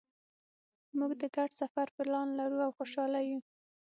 مونږ د ګډ سفر پلان لرو او خوشحاله یو